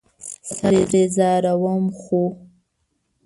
سر ترې ځاروم ،خو